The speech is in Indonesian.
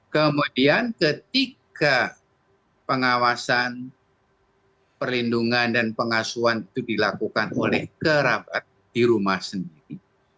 kemudian ketika pengawasan perlindungan dan pengasuhan itu dilakukan oleh kerabat di rumah sendiri